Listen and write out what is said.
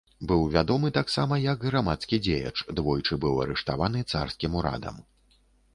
Быў вядомы таксама як грамадскі дзеяч, двойчы быў арыштаваны царскім урадам.